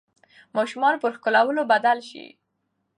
ماشوم پر ښکلولو بدل شي.